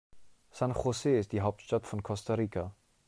San José ist die Hauptstadt von Costa Rica.